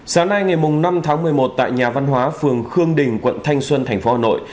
sáng nay ngày năm tháng một mươi một tại nhà văn hóa phường khương đình quận thanh xuân thành phố hà nội